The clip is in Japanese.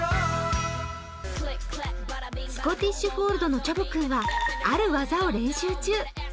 スコティッシュフォールドのちょぼくんはある技を練習中。